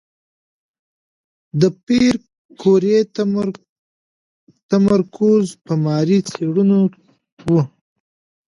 د پېیر کوري تمرکز په ماري څېړنو و.